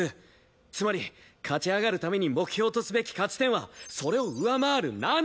つまり勝ち上がるために目標とすべき勝ち点はそれを上回る７！